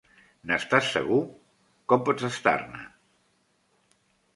N'estàs segur? Com pots estar-ne?